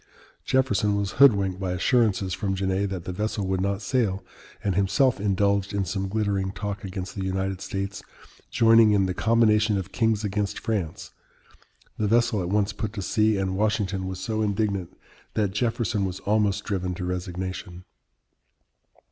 Jefferson was hoodwinked by assurances from Genet that the vessel would not sail, and himself indulged in some glittering talk against the United States joining in "the combination of kings against France." The vessel at once put to sea, and Washington was so indignant that Jefferson was almost driven to resignation.